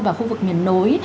và khu vực miền nối